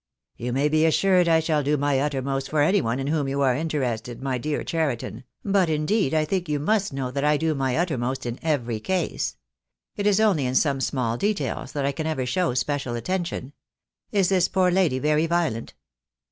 "You may be assured I shall do my uttermost for anyone in whom you are interested, my dear Cheriton, but indeed I think you must know that I do my utter most in every case. It is only in some small details that I can ever show special attention. Is this poor lady very violent?"